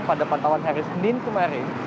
pada pantauan hari senin kemarin